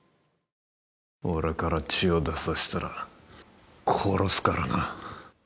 俺から血を出させたら殺すからな。